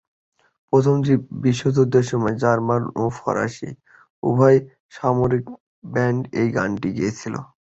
প্রথম বিশ্বযুদ্ধের সময়, জার্মান ও ফরাসি উভয় সামরিক ব্যান্ড এই গানটি গেয়েছিল।